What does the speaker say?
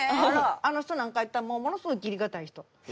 あの人なんかやったらものすごい義理堅い人。